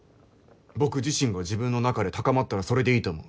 僕自身が自分の中で高まったらそれでいいと思う。